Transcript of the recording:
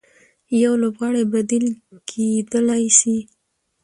يو لوبغاړی بديل کېدلای سي.